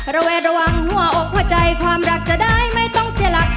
ระแวดระวังหัวอกหัวใจความรักจะได้ไม่ต้องเสียหลัก